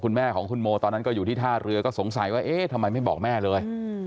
นั้นก็อยู่ที่ท่าเรือก็สงสัยว่าเอ๊ะทำไมไม่บอกแม่เลย